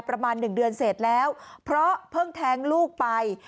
ประมาณหนึ่งเดือนเสร็จแล้วเพราะเพิ่งแท้งลูกไป